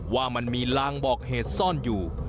ว่ามันมีลางบอกเหตุซ่อนอยู่